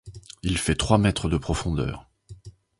Il fait trois mètres de profondeur.